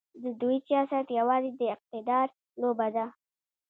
د دوی سیاست یوازې د اقتدار لوبه ده.